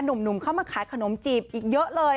หนุ่มเข้ามาขายขนมจีบอีกเยอะเลย